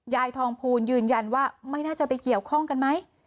ยายทองภูลยืนยันว่าไม่น่าจะไปเกี่ยวข้องกันไหม